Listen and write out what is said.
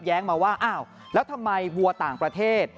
มาว่าอ้าวแล้วทำไมวัวต่างประเทศ